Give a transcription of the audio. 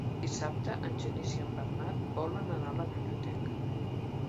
Dissabte en Genís i en Bernat volen anar a la biblioteca.